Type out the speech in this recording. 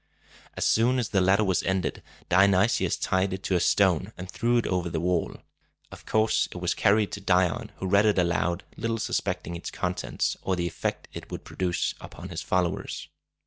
As soon as the letter was ended, Dionysius tied it to a stone, and threw it over the wall. Of course, it was carried to Dion, who read it aloud, little suspecting its contents, or the effect it would produce upon his followers.